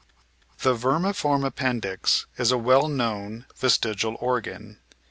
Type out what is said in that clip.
The "vermiform appendix" is a well known vestigial organ.